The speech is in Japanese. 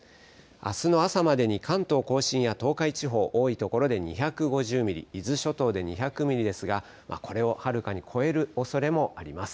あすの朝までに関東甲信や東海地方、多い所で２５０ミリ、伊豆諸島で２００ミリですが、これをはるかに超えるおそれもあります。